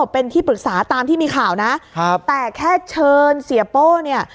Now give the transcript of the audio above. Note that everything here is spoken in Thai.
เป็นที่ปรึกษาตามที่มีข่าวนะครับแต่แค่เชิญเสียโป้เนี่ย